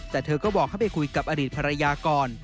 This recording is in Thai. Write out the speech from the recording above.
แต่เธอก็บอกให้ไปคุยกับอดีตภรรยาก่อน